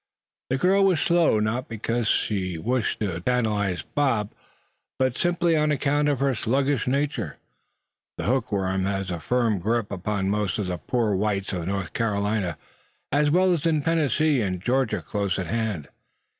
The girl was slow, not because she wished to tantalize Bob, but simply on account of her sluggish nature. The hook worm has a firm grip upon most of the "poor whites" of North Carolina, as well as in Tennessee and Georgia close at hand.